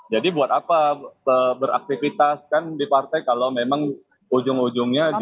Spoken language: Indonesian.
jadi buat apa beraktifitas kan di partai kalau memang ujung ujungnya di